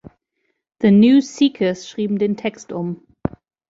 The New Seekers schrieben den Text um.